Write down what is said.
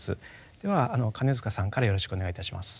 では金塚さんからよろしくお願いいたします。